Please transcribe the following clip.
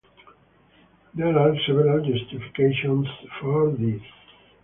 There are several justifications for this.